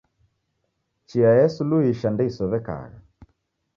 Chia yesuluhisha ndeisow'ekagha